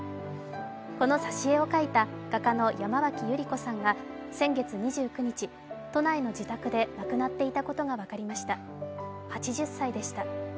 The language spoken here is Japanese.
この挿絵を描いた画家の山脇百合子さんが先月２９日、都内の自宅で亡くなっていたことが分かりました、８０歳でした。